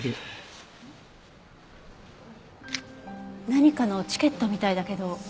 何かのチケットみたいだけど。